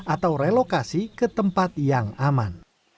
atau relokasi ke tempat yang aman